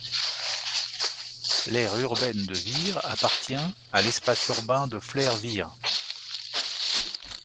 L’aire urbaine de Vire appartient à l’espace urbain de Flers-Vire.